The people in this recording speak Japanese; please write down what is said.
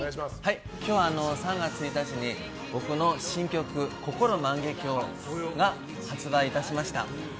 今日、３月１日に僕の新曲「こころ万華鏡」が発売いたしました。